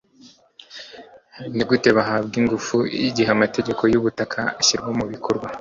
ni gute bahabwa ingufu igihe amategeko y'ubutaka ashyirwa mu bikorwa